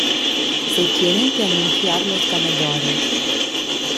Se tienen que anunciar los ganadores.